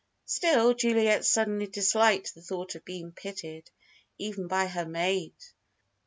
Still, Juliet suddenly disliked the thought of being pitied even by her maid.